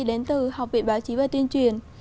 đến từ học viện báo chí và tuyên truyền